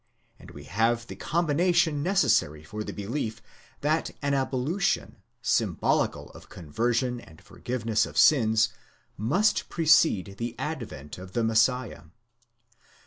and we have the combination necessary for the belief that an ablution, symbolical of con version and forgiveness of sins, must precede the advent of the Messiah.